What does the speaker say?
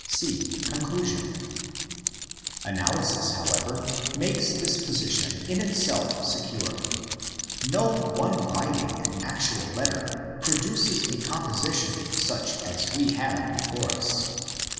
C.—Conclusion. Analysis, however, makes this position in itself secure. No one writing an actual letter produces a composition such as we have before us.